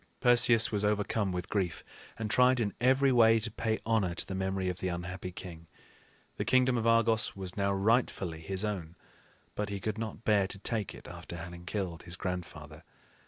Perseus was overcome with grief, and tried in every way to pay honor to the memory of the unhappy king. The kingdom of Argos was now rightfully his own, but he could not bear to take it after having killed his grandfather.